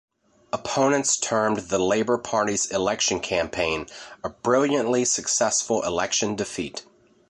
Opponents termed the Labour Party's election campaign "a brilliantly successful election defeat".